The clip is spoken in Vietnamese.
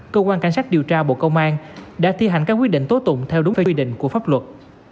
cơ quan cảnh sát điều tra bộ công an đã thi hành các quyết định tố tụng theo đúng quy định của pháp luật